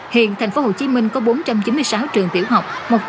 hiện tp hcm có bốn trăm chín mươi sáu trường tiểu học